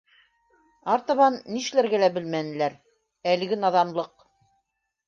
Артабан нишләргә лә белмәнеләр - әлеге наҙанлыҡ.